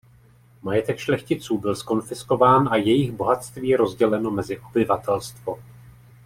Majetek šlechticů byl zkonfiskován a jejich bohatství rozděleno mezi obyvatelstvo.